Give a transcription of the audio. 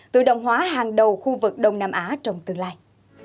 tự động hóa hàng đầu khu vực đông nam á trong tương lai